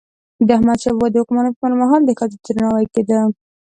د احمدشاه بابا د واکمني پر مهال د ښځو درناوی کيده.